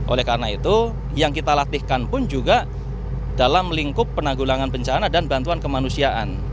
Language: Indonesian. oleh karena itu yang kita latihkan pun juga dalam lingkup penanggulangan bencana dan bantuan kemanusiaan